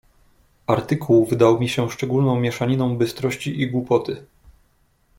"Artykuł wydał mi się szczególną mieszaniną bystrości i głupoty."